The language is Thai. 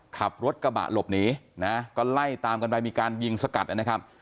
ขับรถกะบะหลบหนีและไกล่ใจมีการมีการยิงสกัดนะครับ